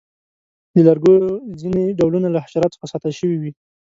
د لرګیو ځینې ډولونه له حشراتو څخه ساتل شوي وي.